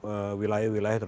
di dalam satu wilayah wilhan itu